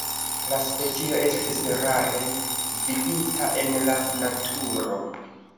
La specio estis rare vidita en la naturo.